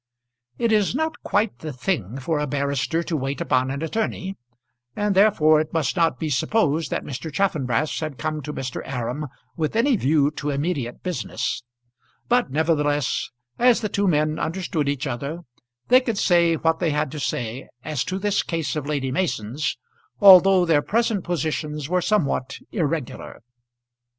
[Illustration: Mr. Chaffanbrass and Mr. Solomon Aram.] It is not quite the thing for a barrister to wait upon an attorney, and therefore it must not be supposed that Mr. Chaffanbrass had come to Mr. Aram with any view to immediate business; but nevertheless, as the two men understood each other, they could say what they had to say as to this case of Lady Mason's, although their present positions were somewhat irregular.